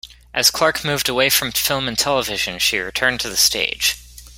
As Clark moved away from film and television, she returned to the stage.